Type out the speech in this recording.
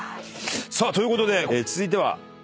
さあということで続いてはこちら。